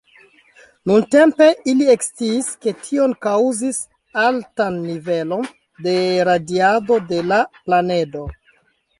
Nuntempe ili eksciis, ke tion kaŭzis altan nivelon de radiado de la planedo.